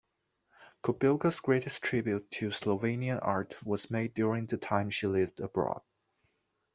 Kobilca's greatest tribute to Slovenian art was made during the time she lived abroad.